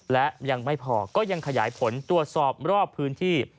และยังไม่พอก็ยังขยายผลตรวจสอบรอบพื้นที่